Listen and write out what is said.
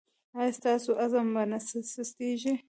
ایا ستاسو عزم به نه سستیږي؟